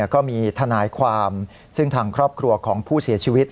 ก็มีทนายความซึ่งทางครอบครัวของผู้เสียชีวิต